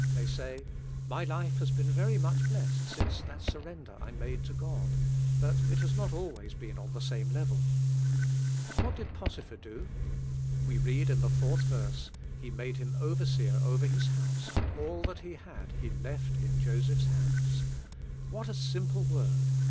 They say: "My life has been very much blessed since that surrender I made to God, but it has not al ways been on the same level." What did Potiphar do? We read in the 4th verse: "He made him overseer over his house, and all that he had he left in Joseph's hands." What a simple vCord!